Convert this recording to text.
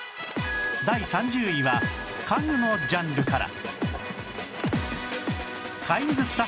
第３０位は家具のジャンルから